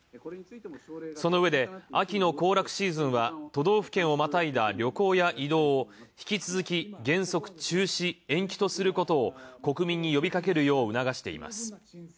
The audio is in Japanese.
その上で秋の行楽シーズンは都道府県をまたいだ旅行や移動を引き続き原則中止、延期とすることを国民に呼びかけるよう促しています。